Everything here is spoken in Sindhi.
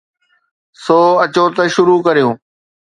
سو اچو ته شروع ڪريون